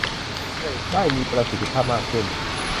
ได้มีประสิทธิภาพมากขึ้น